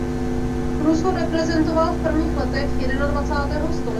Rusko reprezentoval v prvních letech jednadvacátého století.